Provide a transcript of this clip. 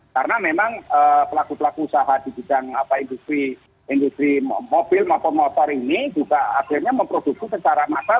karena memang pelaku pelaku usaha di bidang industri mobil maupun motor ini juga akhirnya memproduksi secara massal